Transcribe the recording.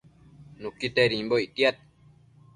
Nuquitedimbobi ictiad